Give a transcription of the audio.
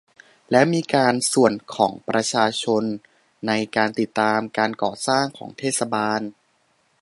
และการมีส่วนของประชาชนในการติดตามการก่อสร้างของเทศบาล